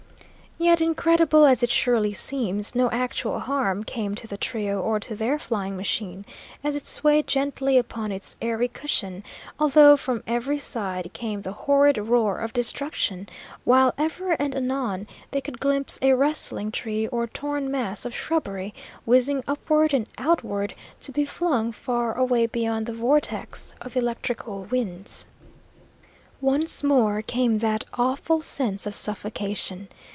Yet, incredible as it surely seems, no actual harm came to the trio or to their flying machine as it swayed gently upon its airy cushion, although from every side came the horrid roar of destruction, while ever and anon they could glimpse a wrestling tree or torn mass of shrubbery whizzing upward and outward, to be flung far away beyond the vortex of electrical winds. Once more came that awful sense of suffocation.